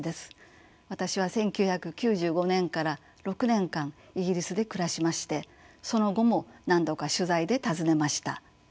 私は１９９５年から６年間イギリスで暮らしましてその後も何度か取材で訪ねました。